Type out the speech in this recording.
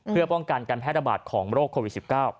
เพื่อป้องกันการแพร่ระบาดของโรคโควิด๑๙